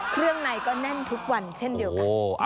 เครื่องในก็แน่นทุกวันเช่นเดียวกัน